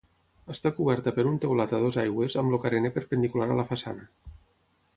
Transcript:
Està coberta per un teulat a dues aigües, amb el carener perpendicular a la façana.